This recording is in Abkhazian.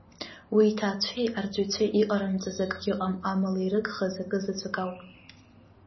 Уи иҭаацәеи арҵаҩцәеи иҟарымҵаз акгьы ыҟам, амала ирыгхаз акызаҵәык ауп…